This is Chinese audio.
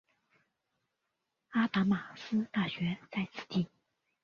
阿达玛斯大学在此地。